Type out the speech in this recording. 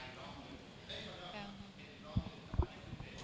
แล้วลูกกระโซมกับการรายลองหนึ่ง